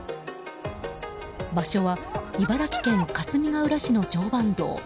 場所は茨城県かすみがうら市の常磐道。